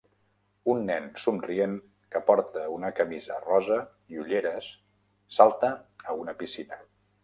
Un nen somrient que porta una camisa Rosa i ulleres salta a una piscina